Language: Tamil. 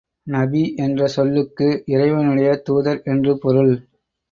நபி என்ற சொல்லுக்கு இறைவனுடைய தூதர் என்று பொருள்.